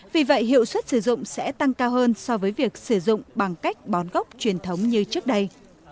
vì vậy hiệu suất sử dụng sẽ tăng cao hơn so với việc sử dụng bằng cách bón gốc truyền thống như trước đây